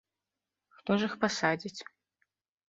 Хто ж іх пасадзіць?!